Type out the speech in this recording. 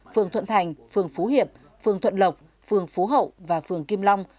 phường thuận thành phường phú hiệp phường thuận lộc phường phú hậu và phường kim long